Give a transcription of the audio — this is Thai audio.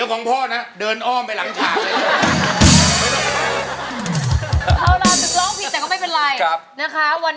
คุณหนุ๊ยเขาไปดึงออกให้ทัน